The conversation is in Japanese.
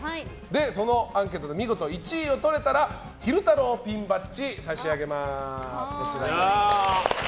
そのアンケートで見事１位をとれたら昼太郎ピンバッジ差し上げます。